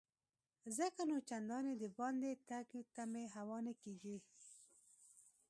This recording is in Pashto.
ځکه نو چنداني دباندې تګ ته مې هوا نه کیږي.